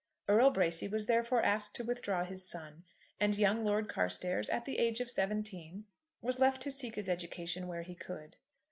Earl Bracy was therefore asked to withdraw his son; and young Lord Carstairs, at the age of seventeen, was left to seek his education where he could.